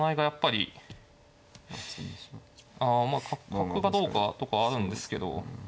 角がどうかとかはあるんですけど。